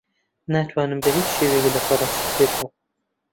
ناتوانم بە هیچ شێوەیەک لە فەڕەنسی تێبگەم.